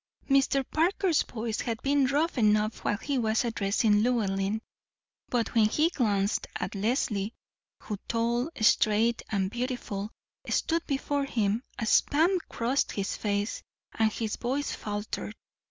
Mr. Parker's voice had been rough enough while he was addressing Llewellyn; but when he glanced at Leslie, who, tall, straight, and beautiful, stood before him, a spasm crossed his face and his voice faltered.